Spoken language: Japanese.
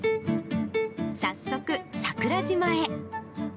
早速、桜島へ。